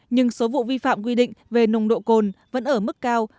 nhưng số vụ vi phạm quy định về nồng độ cồn vẫn ở mức cao